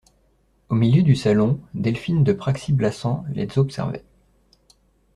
Au milieu du salon, Delphine de Praxi-Blassans les observait.